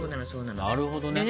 なるほどね。